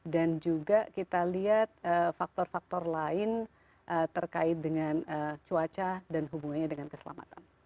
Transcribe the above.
dan juga kita lihat faktor faktor lain terkait dengan cuaca dan hubungannya dengan keselamatan